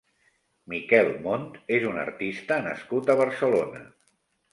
Miquel Mont és un artista nascut a Barcelona.